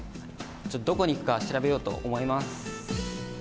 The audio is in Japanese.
どこに行くか調べようと思います。